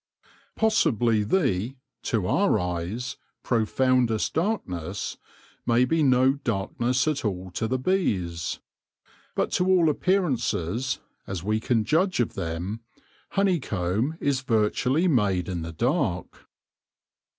Possibly the — to our eyes — profoundest darkness may be no darkness at all to the bees ; but, to all appearances, as we can judge of them, honey comb is virtually made in the dark.